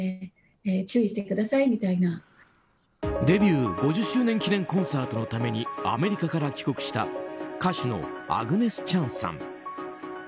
デビュー５０周年記念コンサートのためにアメリカから帰国した歌手のアグネス・チャンさん。